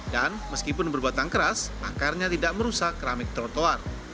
dan meskipun berbatang keras akarnya tidak merusak keramik trotoar